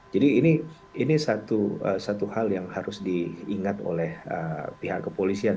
jadi ini satu hal yang harus diingat oleh pihak kepolisian